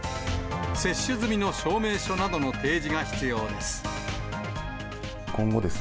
接種済みの証明書などの提示が必要です。